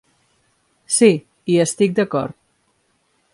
Sí, hi estic d’acord.